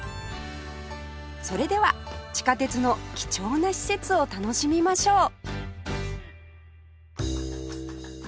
それでは地下鉄の貴重な施設を楽しみましょう